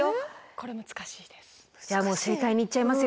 これ難しいです。